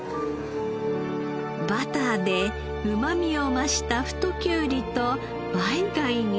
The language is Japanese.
バターでうまみを増した太きゅうりとバイ貝に添えて。